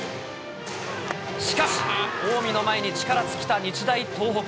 しかし近江の前に力尽きた日大東北。